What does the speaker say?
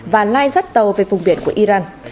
và lai rắt tàu về vùng biển của iran